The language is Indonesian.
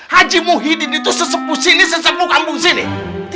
haji muhyiddin itu sesepu sini sesepu kampung sini